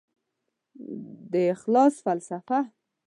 د اخلاص فلسفه